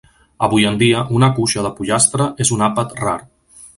Avui en dia, una cuixa de pollastre és un àpat rar.